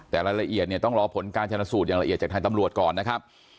แต่รายละเอียดเนี่ยต้องรอผลการชนสูตรอย่างละเอียดจากทางตำรวจก่อนนะครับ